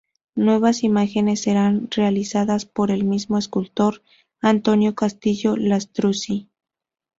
Nuevas imágenes serán realizadas por el mismo escultor, Antonio Castillo Lastrucci.